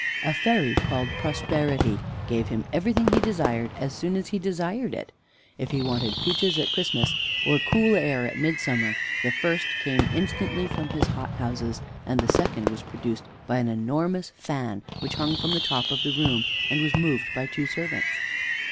A fairy called Prosperity gave him everything he desired as soon as he desired it. If he wanted peaches at Christmas, or cool air at mid summer, the first came instantly from his hothouses, and the second was produced by an enormous fan, which hung from the top of the room, and was moved by two servants.